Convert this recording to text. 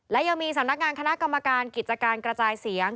และยังมีสำนักงานคณะกรรมการกิจการกระจายเสียง